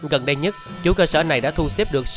gần đây nhất chủ cơ sở này đã thu xếp được